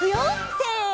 せの！